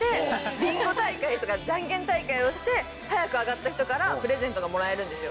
ビンゴ大会とかジャンケン大会をして早く上がった人からプレゼントがもらえるんですよ。